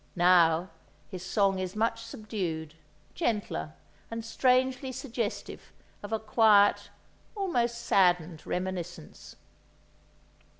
Now, his song is much subdued, gentler, and strangely suggestive of a quiet, almost saddened reminiscence.